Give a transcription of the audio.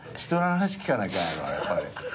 話聞かなきゃやっぱり。